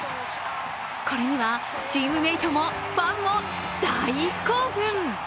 これにはチームメートもファンも大興奮。